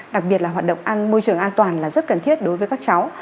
đặc biệt là hoạt động ăn môi trường an toàn là rất cần thiết đối với các cháu